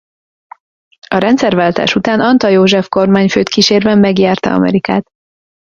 A rendszerváltás után Antall József kormányfőt kísérve megjárta Amerikát.